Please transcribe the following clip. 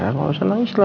ngomong ke mereka